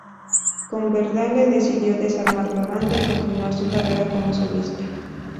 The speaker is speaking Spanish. Coverdale decidió desarmar la banda y continuar su carrera como solista.